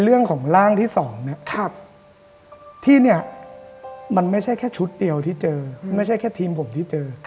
เรื่องของร่างที่สองไม่ใช่แค่ชุดเดียวที่เจอไม่ใช่แค่ทีมผมที่เจอ